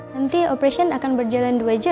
nanti operation akan berjalan dua jam